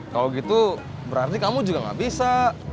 kalau gitu berarti kamu juga gak bisa